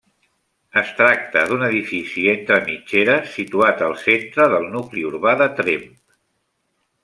Es tracta d'un edifici entre mitgeres, situat al centre del nucli urbà de Tremp.